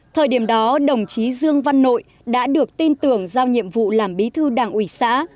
thời điểm đó đồng chí dương văn nội đã được tin tưởng giao nhiệm vụ làm bí thư đảng ủy xã